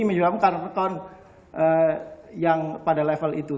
menyebabkan current account yang pada level itu